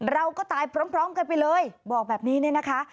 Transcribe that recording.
เราก็ตายพร้อมกันไปเลยบอกแบบนี้เนี่ยนะคะ